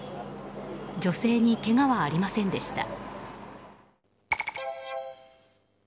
女性にけがはありませんでした。